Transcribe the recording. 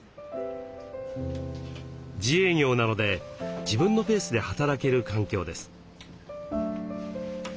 自営業なので自分のペースで働ける環境です。